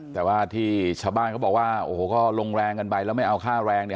แต่ว่าที่ชาวบ้านเขาบอกว่าโอ้โหก็ลงแรงกันไปแล้วไม่เอาค่าแรง